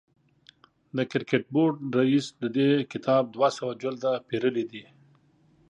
د کرکټ بورډ رئیس د دې کتاب دوه سوه جلده پېرلي دي.